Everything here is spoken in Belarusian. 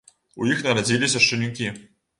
У іх нарадзіліся шчанюкі.